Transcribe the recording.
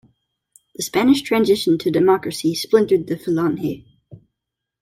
The Spanish transition to democracy splintered the Falange.